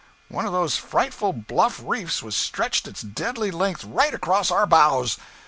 One of those frightful bluff reefs was stretching its deadly length right across our bows!